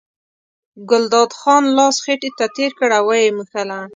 ګلداد خان لاس خېټې ته تېر کړ او یې مښله.